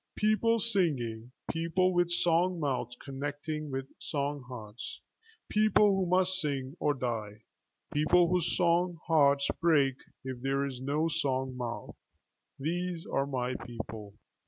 People singing; people with song mouths connecting with song hearts; people who must sing or die; people whose song hearts break if there is no song mouth; these are my people.